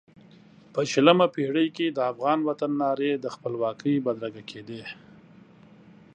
په شلمه پېړۍ کې د افغان وطن نارې د خپلواکۍ بدرګه کېدې.